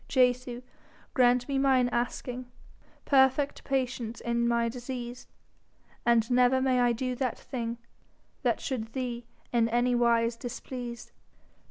Jesu, grant me mine asking, Perfect patience in my disease, And never may I do that thing That should thee in any wise displease.